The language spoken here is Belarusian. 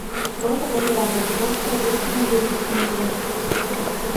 Ложа возера амаль плоскае, выслана гліністым ілам.